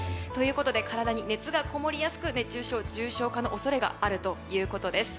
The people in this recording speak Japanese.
体に熱がこもりやすく熱中症、重症化の恐れがあるということです。